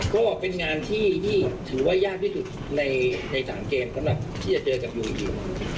ก็เป็นงานที่ถือว่ายากที่สุดใน๓เกมสำหรับที่จะเจอกับยูนิว